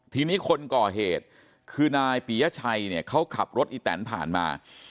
ทีนี้คนก่อเหตุคือนายปียชัยเนี่ยเขาขับรถอีแตนผ่านมา